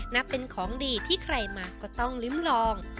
นับเป็นของดีที่ใครมาก็ต้องลิ้มลอง